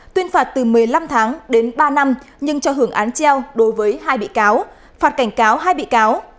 tuyên phạt từ một mươi năm tháng đến ba năm nhưng cho hưởng án treo đối với hai bị cáo phạt cảnh cáo hai bị cáo